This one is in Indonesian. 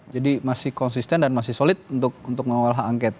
jadi masih konsisten dan masih solid untuk mengawal hak angket